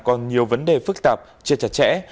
còn nhiều vấn đề phức tạp chưa chặt chẽ